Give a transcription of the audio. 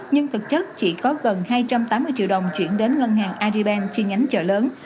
nhưng thực chất chỉ có gần hai trăm tám mươi triệu đồng chuyển đến ngân hàng aribank chi nhánh chợ lớn